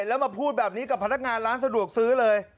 แล้วมาพูดแบบนี้กับพนักงานร้านสะดวกซื้อเลย